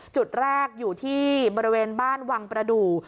จุดแรกอยู่ที่บริเวณบ้านวังประดูก